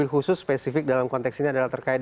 khusus spesifik dalam konteks ini adalah terkait